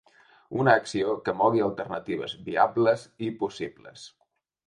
Una acció que mogui alternatives viables i possibles.